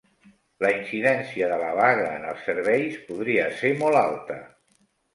La incidència de la vaga en els serveis podria ser molt alta